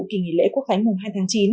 kỳ nghỉ lễ quốc khánh mùng hai tháng chín